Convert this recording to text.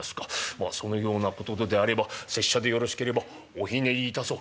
まあそのようなことであれば拙者でよろしければおひねりいたそう」。